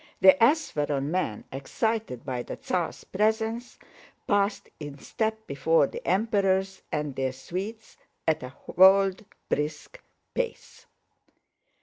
The Ápsheron men, excited by the Tsar's presence, passed in step before the Emperors and their suites at a bold, brisk pace.